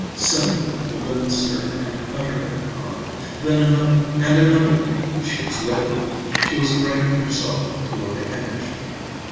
Suddenly the woman stirred and uttered a cry, then another, and another. She was living! She was dragging herself toward the hedge!